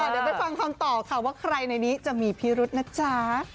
เดี๋ยวไปฟังคำตอบค่ะว่าใครในนี้จะมีพิรุษนะจ๊ะ